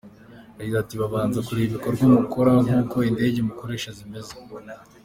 Yagize ati : “Babanza kureba ibikorwa mukora, n’uko indege mukoresha zimeze.